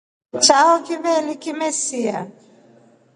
Chao kivelya kimesia.